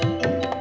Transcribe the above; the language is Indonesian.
terima kasih pak